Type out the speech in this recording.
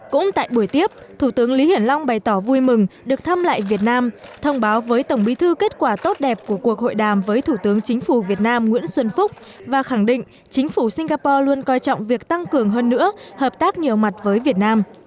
cũng tại buổi tiếp thủ tướng lý hiển long bày tỏ vui mừng được thăm lại việt nam thông báo với tổng bí thư kết quả tốt đẹp của cuộc hội đàm với thủ tướng chính phủ việt nam nguyễn xuân phúc và khẳng định chính phủ singapore luôn coi trọng việc tăng cường hơn nữa hợp tác nhiều mặt với việt nam